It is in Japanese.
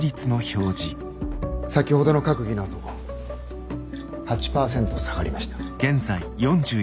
先ほどの閣議のあと８％下がりました。